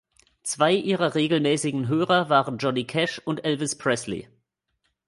Zwei ihrer regelmäßigen Hörer waren Johnny Cash und Elvis Presley.